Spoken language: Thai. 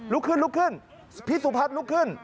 ลุกขึ้นพิศุพรรษลุกขึ้น